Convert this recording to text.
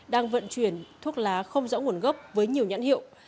đang vận chuyển thuốc lá không rõ nguồn gốc với nhiều nhãn hiệu